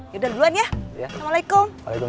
yaudah duluan ya waalaikumsalam